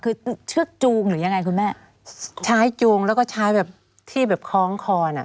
คือเชือกจูงหรือยังไงคุณแม่ใช้จูงแล้วก็ใช้แบบที่แบบคล้องคอน่ะ